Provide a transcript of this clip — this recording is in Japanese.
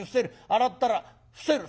洗ったら伏せる。